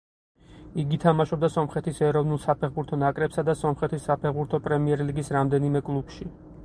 იგი თამაშობდა სომხეთის ეროვნულ საფეხბურთო ნაკრებსა და სომხეთის საფეხბურთო პრემიერლიგის რამდენიმე კლუბში.